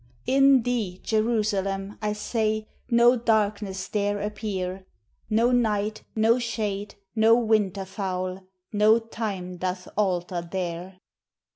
In thee, Jerusalem, I say, No darkness dare appear No night, no shade, no winter foul No time doth alter there.